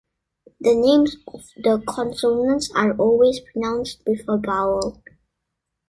The names of the consonants are always pronounced with a vowel.